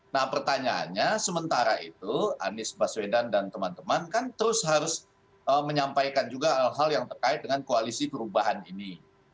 nah pertanyaannya sementara itu anies baswedan dan teman teman kan terus harus menyampaikan juga hal hal yang terkait dengan koalisi perubahan ini